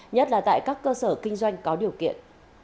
nhất là tại các cơ sở kinh doanh có điều kiện